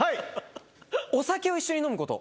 お酒を一緒に飲むこと。